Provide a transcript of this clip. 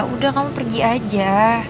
udah kamu pergi aja